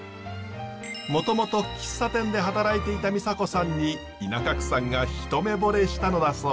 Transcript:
もともと喫茶店で働いていた美沙子さんに稲角さんが一目惚れしたのだそう。